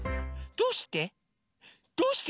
どうして？